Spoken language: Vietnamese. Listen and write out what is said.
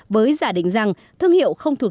với giả định rằng thương hiệu không thuộc